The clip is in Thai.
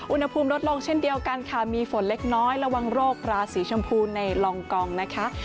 อุณหภูมิลดลงเช่นเดียวกันค่ะมีฝนเล็กน้อยระวังโรคราสีชมพูในลองกองนะคะ